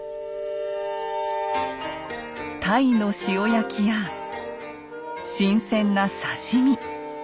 タイの塩焼きや新鮮な刺身。